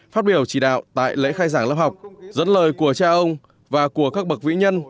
phát biểu chỉ đạo tại lễ khai giảng lớp học dẫn lời của cha ông và của các bậc vĩ nhân